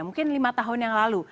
mungkin lima tahun yang lalu